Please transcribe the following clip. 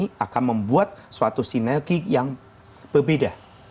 ini akan membuat suatu sinergi yang berbeda